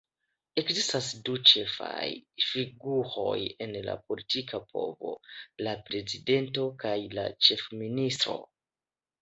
Ekzistas du ĉefaj figuroj en la politika povo: la prezidento kaj la ĉefministro.